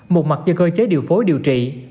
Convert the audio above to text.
một mặt do cơ chế điều phối điều trị